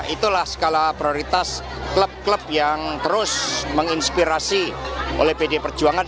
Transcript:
itulah skala prioritas klub klub yang terus menginspirasi oleh pd perjuangan